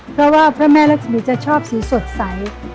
เพราะว่าพระแม่รักษมีจะชอบสีสดใส